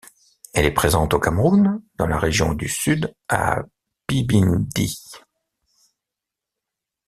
Elle est présente au Cameroun, dans la région du Sud, à Bipindi.